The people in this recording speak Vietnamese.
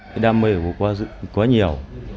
cái tiền mà cô làm kiếm thêm ấy